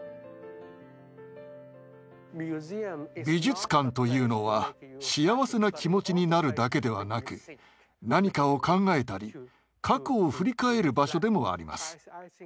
美術館というのは幸せな気持ちになるだけではなく何かを考えたり過去を振り返る場所でもあります。